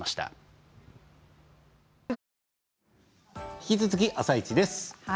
引き続き「あさイチ」です。